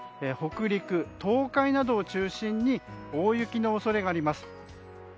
北陸・東海などを中心に大雪の恐れがあります。